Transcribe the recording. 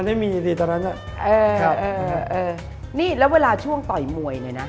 นี่แล้วเวลาช่วงต่อยมวยเนี่ยนะ